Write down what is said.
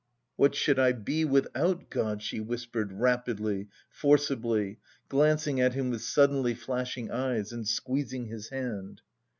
"What should I be without God?" she whispered rapidly, forcibly, glancing at him with suddenly flashing eyes, and squeezing his hand.